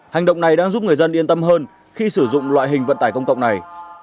hành động này đang giúp người dân yên tâm hơn khi sử dụng loại hình vận tải công cộng này